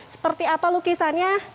seperti apa lukisannya